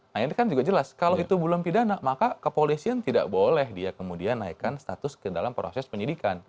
nah ini kan juga jelas kalau itu belum pidana maka kepolisian tidak boleh dia kemudian naikkan status ke dalam proses penyidikan